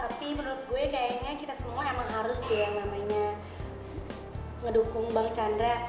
tapi menurut gue kayaknya kita semua emang harus ya yang namanya ngedukung bang chandra